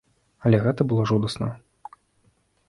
Але гэта было жудасна.